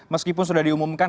meskipun sudah diumumkan